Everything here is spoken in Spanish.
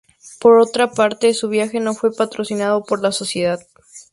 Por otra parte, su viaje no fue patrocinado por la Sociedad.